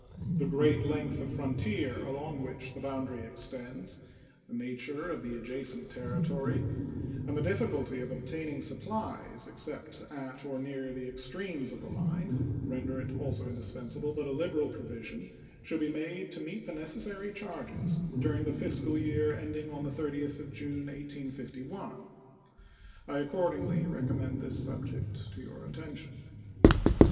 The great length of frontier along which the boundary extends, the nature of the adjacent territory, and the difficulty of obtaining supplies except at or near the extremes of the line render it also indispensable that a liberal provision should be made to meet the necessary charges during the fiscal year ending on the 30th of June, 1851. I accordingly recommend this subject to your attention.